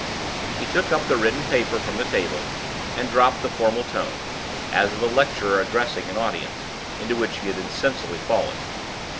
He took up the written paper from the table, and dropped the formal tone (as of a lecturer addressing an audience) into which he had insensibly fallen.